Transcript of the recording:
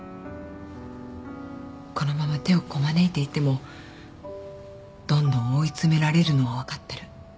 このまま手をこまねいていてもどんどん追い詰められるのは分かってる。